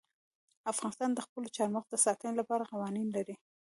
افغانستان د خپلو چار مغز د ساتنې لپاره قوانین لري.